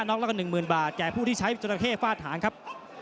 ็อกแล้วก็๑๐๐๐บาทแก่ผู้ที่ใช้จราเข้ฟาดหางครับ